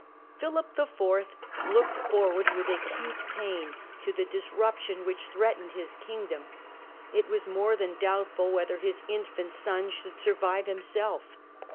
Philip IV. looked forward with acute pain to the dis ruption which threatened his kingdom. It was more than Condition of doubtful whether his infant son would survive the infant, himself.